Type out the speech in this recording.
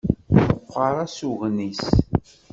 Meqqer asugen-is.